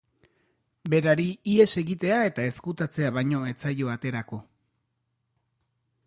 Berari ihes egitea eta ezkutatzea baino ez zaio aterako.